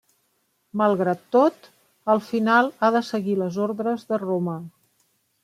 Malgrat tot, al final ha de seguir les ordres de Roma.